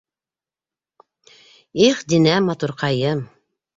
Их, Динә, матурҡайым!